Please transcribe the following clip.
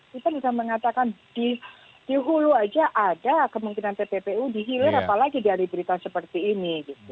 kita bisa mengatakan di hulu saja ada kemungkinan tppu dihilir apalagi dari berita seperti ini